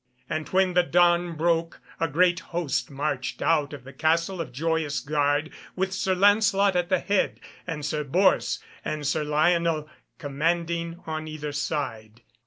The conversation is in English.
And when the dawn broke a great host marched out of the Castle of Joyous Gard, with Sir Lancelot at the head, and Sir Bors and Sir Lionel commanding on either side.